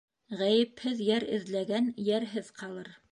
Ғәйепһеҙ йәр эҙләгән йәрһеҙ ҡалыр.